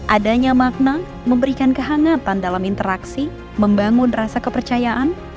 adanya makna memberikan kehangatan dalam interaksi membangun rasa kepercayaan